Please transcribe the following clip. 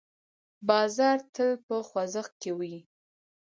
بازار تل په خوځښت کې وي.